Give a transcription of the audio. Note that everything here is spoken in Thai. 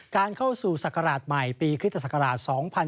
การเข้าสู่ศักราชใหม่ปีคริสตศักราช๒๕๖๒